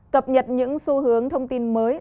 cập nhật những xu hướng thông tin mới